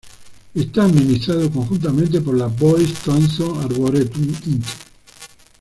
Está administrado conjuntamente por la "Boyce Thompson Arboretum, Inc.